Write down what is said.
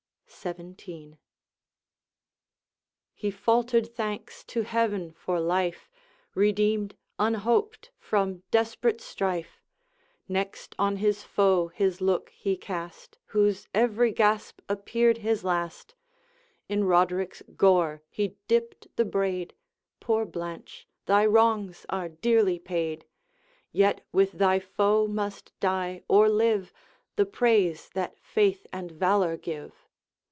XVII. He faltered thanks to Heaven for life, Redeemed, unhoped, from desperate strife; Next on his foe his look he cast, Whose every gasp appeared his last In Roderick's gore he dipped the braid, 'Poor Blanche! thy wrongs are dearly paid; Yet with thy foe must die, or live, The praise that faith and valor give.'